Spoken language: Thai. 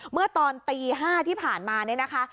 เมื่อตอนตี๕ที่ผ่านมาเนี่ยนะคะ